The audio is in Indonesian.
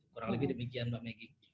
kurang lebih demikian mbak meggy